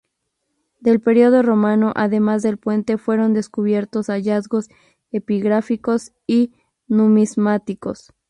Del periodo romano además del puente fueron descubiertos hallazgos epigráficos y numismáticos.